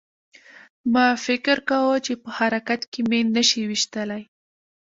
ما فکر کاوه چې په حرکت کې مې نشي ویشتلی